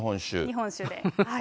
日本酒で。